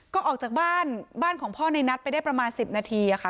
ก็ออกจากบ้านบ้านของพ่อในนัดไปได้ประมาณ๑๐นาทีค่ะ